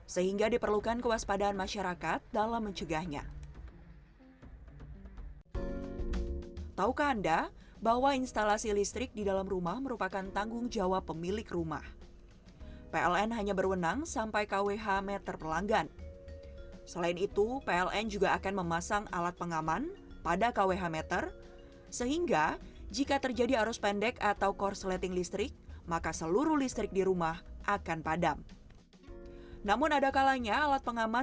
sehingga diperlukan kewaspadaan masyarakat dalam mencegahnya